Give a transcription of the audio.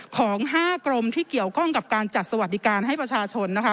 ของ๕กรมที่เกี่ยวข้องกับการจัดสวัสดิการให้ประชาชนนะคะ